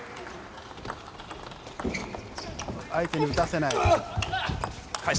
相手に打たせない。